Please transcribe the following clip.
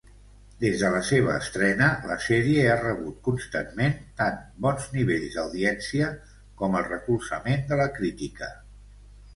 Des de la seva estrena, la sèrie ha rebut constantment tant bons nivells d'audiència com el recolzament de la crítica.